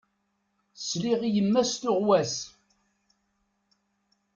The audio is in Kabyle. Sliɣ i yemma-s tuɣwas.